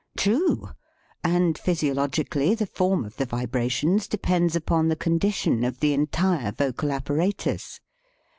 True! And physiologically the form of the vibrations depends upon the condition of the entire vocal apparatus.